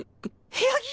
部屋着！？